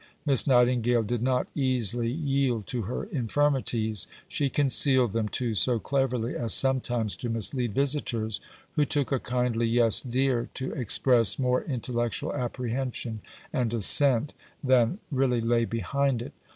Miss Nightingale did not easily yield to her infirmities; she concealed them, too, so cleverly as sometimes to mislead visitors, who took a kindly "yes, dear" to express more intellectual apprehension and assent than really lay behind it.